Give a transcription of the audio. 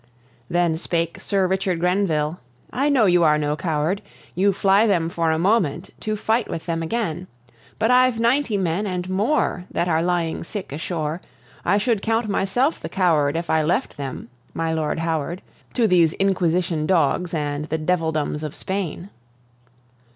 Then spake Sir Richard Grenville: "I know you are no coward; You fly them for a moment, to fight with them again. But I've ninety men and more that are lying sick ashore. I should count myself the coward if I left them, my Lord Howard, To these Inquisition dogs and the devildoms of Spain."